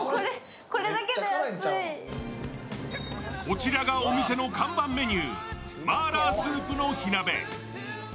こちらがお店の看板メニュー、マーラースープの火鍋。